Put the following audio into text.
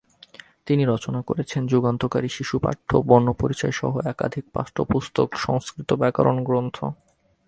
তিনি রচনা করেছেন যুগান্তকারী শিশুপাঠ্য বর্ণপরিচয়-সহ একাধিক পাঠ্যপুস্তক, সংস্কৃত ব্যাকরণ গ্রন্থ।